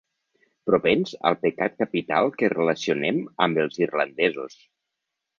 Propens al pecat capital que relacionem amb els irlandesos.